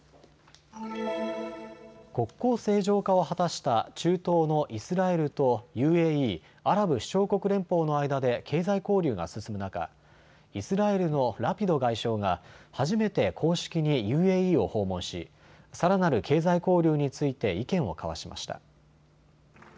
国交正常化を果たした中東のイスラエルとＵＡＥ・アラブ首長国連邦の間で経済交流が進む中、イスラエルのラピド外相が初めて公式にＵＡＥを訪問しさらなる経済交流について意見を交わしました。